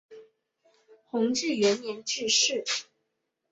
弘治元年致仕。